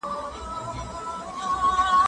زه له سهاره چپنه پاکوم،